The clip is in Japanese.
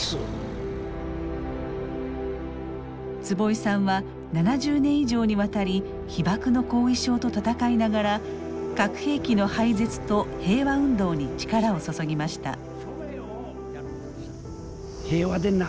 坪井さんは７０年以上にわたり被爆の後遺症と闘いながら核兵器の廃絶と平和運動に力を注ぎました。